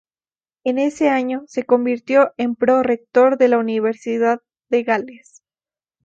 En ese años se convirtió en pro-Rector de la Universidad de Gales.